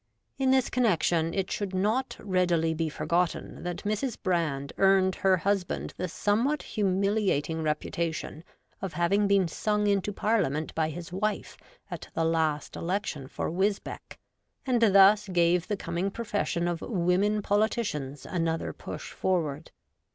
In this connexion, it should not readily be forgotten that Mrs. Brand earned her husband the somewhat humiliating reputation of having been sung into Parliament by his wife at the last election for Wisbech, and thus gave the coming profession of Women Politicians another push forward.